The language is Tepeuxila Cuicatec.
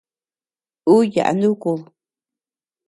Ú yaʼa nukud.